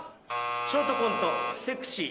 ショートコント「セクシー」